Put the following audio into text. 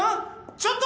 ちょっと！